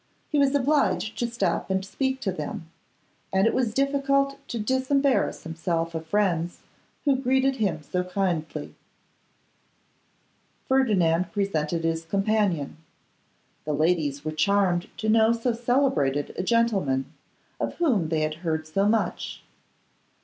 He was obliged to stop and speak to them, and it was difficult to disembarrass himself of friends who greeted him so kindly. Ferdinand presented his companion. The ladies were charmed to know so celebrated a gentleman, of whom they had heard so much.